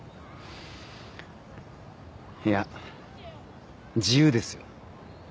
いや自由ですよ。